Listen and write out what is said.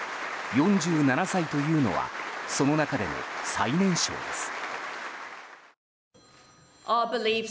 ４７歳というのはその中でも最年少です。